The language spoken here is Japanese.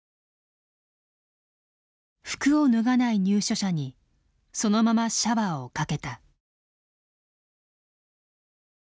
服を脱がない入所者にそのままシャワーをかけた。